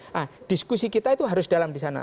nah diskusi kita itu harus dalam disana